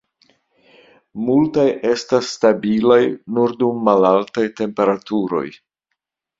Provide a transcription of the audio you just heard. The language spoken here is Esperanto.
Multaj estas stabilaj nur dum malaltaj temperaturoj.